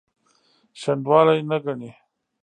شنډوالي نه ګڼي.